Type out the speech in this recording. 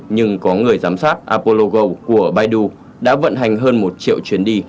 nhưng có người giám sát apollo go của baidu đã vận hành hơn một triệu chuyến đi